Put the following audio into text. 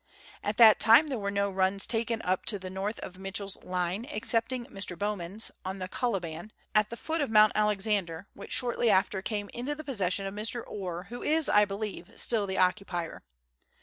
At that time there were no runs taken up to the north of Mitchell's line, excepting Mr. Bowman's, on the Coliban, at the foot of Mount Alexander, which shortly after came into the possession of Mr. Orr, who is, I believe, still the occupier.